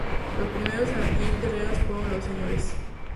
Los primeros en adquirir terrenos fueron los Sres.